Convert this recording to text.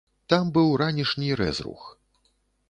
Там быў ранішні рэзрух.